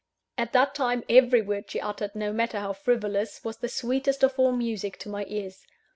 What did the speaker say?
At that time, every word she uttered, no matter how frivolous, was the sweetest of all music to my ears.